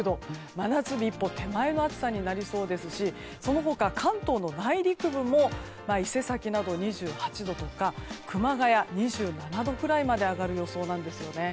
真夏日一歩手前の暑さになりそうですしその他、関東の内陸部も伊勢崎など２８度とか熊谷、２７度くらいまで上がる予想なんですね。